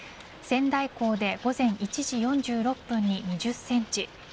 仙台港で午前１時４６分に２０センチ